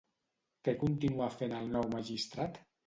Què continua fent el nou magistrat?